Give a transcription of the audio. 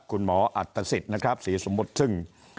คุณหมออัตศิษฐ์นะครับศรีสมทรึง